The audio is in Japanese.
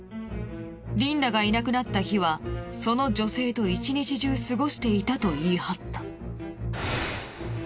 リンダがいなくなった日はその女性と１日中すごしていたと言い張った。